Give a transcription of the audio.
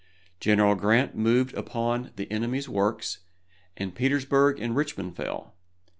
General Grant moved upon the enemy's works, and Petersburg and Richmond fell.